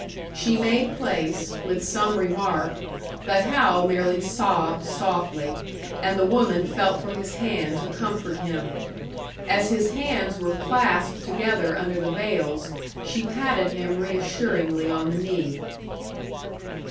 She made place, with some remark; but Hal merely sobbed softly, and the woman felt for his hand to comfort him. As his hands were clasped together under the veils, she patted him reassuringly on the knee.